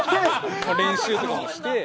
練習とかもして。